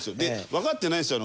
わかってないんですよ